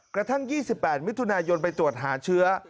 กระทั่ง๒๘มิถุนายนไปตรวจหาเชื้อ